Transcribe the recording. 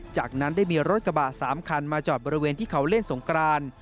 จากนั้นได้มีรถกระบะ๓คันมาจอดบริเวณที่เขาเล่นสงกราน